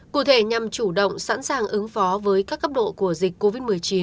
cụ thể nhằm chủ động sẵn sàng ứng phó với các cấp độ của dịch covid một mươi chín